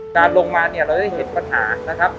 ลงมาเนี่ยเราจะได้เห็นปัญหานะครับ